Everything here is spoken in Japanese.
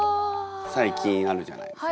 最近あるじゃないですか。